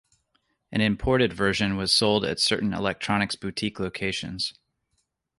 An imported version was sold at certain Electronics Boutique locations.